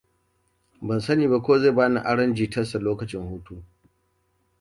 Ban sani ba ko zai bani aron guitarsa lokacin hutu.